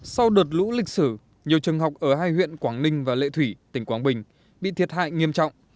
sau đợt lũ lịch sử nhiều trường học ở hai huyện quảng ninh và lệ thủy tỉnh quảng bình bị thiệt hại nghiêm trọng